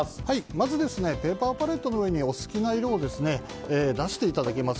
まず、ペーパーパレットの上にお好きな色を出していただきます。